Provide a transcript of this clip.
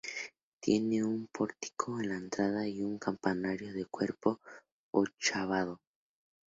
Tiene un pórtico en la entrada y un campanario de cuerpo ochavado.